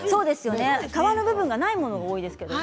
皮の部分がないものが多いですけれども。